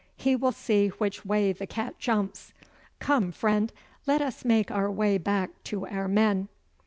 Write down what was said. He will see which way the cat jumps. Come, friend, let us make our way back to our men.